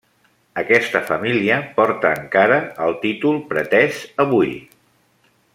Aquesta família porta encara el títol pretès avui.